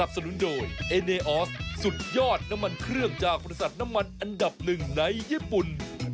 สุดยอดน้ำมันเครื่องจากฝนศัตริย์น้ำมันอันดับหนึ่งในญี่ปุ่น